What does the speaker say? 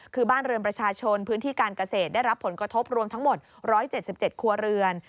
คือบ้านเรือนประชาชนพื้นที่การเกษตรได้รับผลกระทบรวมทั้งหมด๑๗๗ครัวเรือน